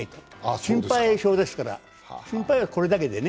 心配性ですから、心配はこれだけでね。